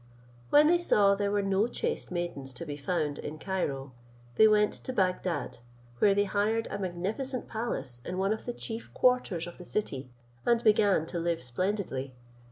When they saw there were no chaste maidens to be found in Cairo, they went to Bagdad, where they hired a magnificent palace in one of the chief quarters of the city, and began to live splendidly.